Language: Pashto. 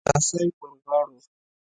د کاسای پر غاړو.